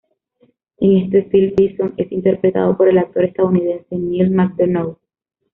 En este film Bison es interpretado por el actor estadounidense Neal McDonough.